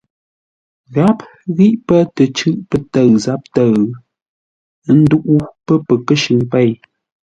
Gháp ghí pə́ tə cʉ́ʼ pə́ tə̂ʉ záp tə̌ʉ, ə́ ndúʼú pə́ pəkə́shʉŋ pêi.